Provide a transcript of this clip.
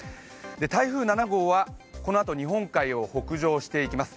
台風７号はこのあと日本海を北上していきます。